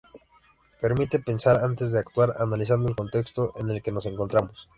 Permite pensar antes de actuar, analizando el contexto en el que nos encontramos.